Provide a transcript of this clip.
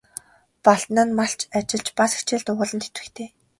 Балдан нь малч, ажилч, бас хичээл дугуйланд идэвхтэй.